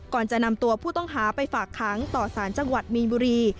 ก่อนจะนำตัวผู้ต้องหาไปฝากค้างต่อสารจังหวัดมีนบุรี